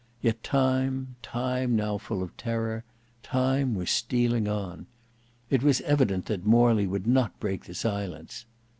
Yet time, time now full of terror, time was stealing on. It was evident that Morley would not break the silence.